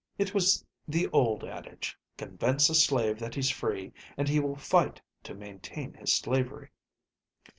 It was the old adage, convince a slave that he's free, and he will fight to maintain his slavery.